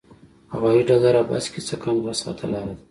هوایي ډګره بس کې څه کم دوه ساعته لاره ده.